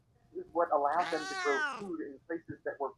শুধু তাই নয়, মুহাম্মাদকে যে কতল করবে তাকেও নিয়ে এসেছি।